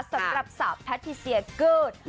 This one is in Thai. สำหรับสาวแพทย์พีเซียกิอร์ด